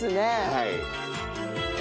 はい。